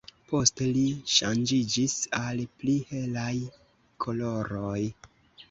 Poste li ŝanĝiĝis al pli helaj koloroj.